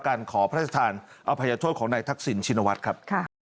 การขอพฤษฐานอภัยโทษของในทักษิณชินวัฒน์ครับ